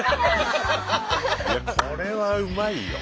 これはうまいよ。